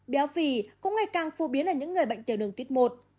béo phì cũng ngày càng phô biến ở những người bệnh tiểu đường tuyết một